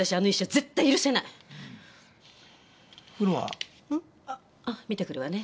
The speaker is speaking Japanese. あ見てくるわね。